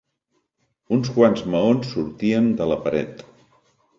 Uns quants maons sortien de la paret.